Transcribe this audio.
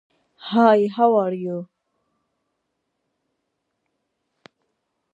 The bird is named after the original Doctor Mid-Nite, Charles McNider.